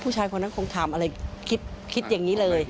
ผู้ชายคนนั้นคงทำอะไรคิดอย่างนี้เลย